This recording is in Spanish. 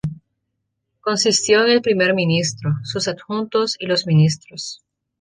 Consistió en el Primer Ministro, sus adjuntos y los Ministros.